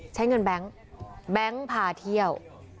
ใช้เงินแบงค์แบงค์พาเที่ยว